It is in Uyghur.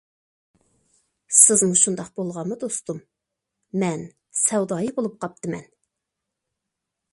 سىزمۇ شۇنداق بولغانمۇ دوستۇم، مەن سەۋدايى بولۇپ قاپتىمەن.